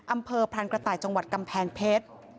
อำเภอพรานกระต่ายจังหวัดกำแพงเพชร